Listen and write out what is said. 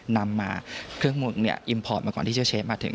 นำมาเครื่องมืออิมพอร์ตมาก่อนที่เจ้าเชฟมาถึง